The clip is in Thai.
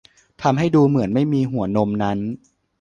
ทำให้ดูเหมือนไม่มีหัวนมนั้น